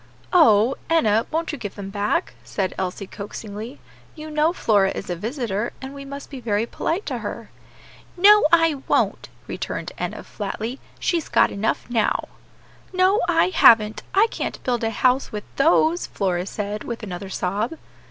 "Oh! Enna, won't you give them back?" said Elsie, coaxingly; "you know Flora is a visitor, and we must be very polite to her." "No, I won't," returned Enna, flatly; "she's got enough now." "No, I haven't; I can't build a house with those," Flora said, with another sob.